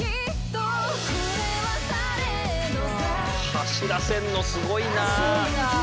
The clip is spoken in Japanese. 走らせんのすごいなあ。